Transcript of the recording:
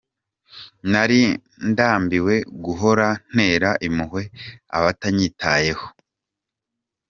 Nari ndambiwe guhora ntera impuhwe abatanyitayeho.